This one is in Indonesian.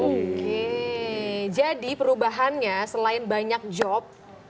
oke jadi perubahannya selain banyak job